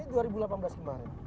ini dua ribu delapan belas kemarin